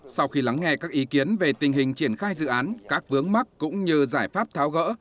sau khi lắng nghe các ý kiến về tình hình triển khai dự án các vướng mắc cũng như giải pháp tháo gỡ